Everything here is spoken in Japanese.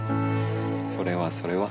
それはそれは。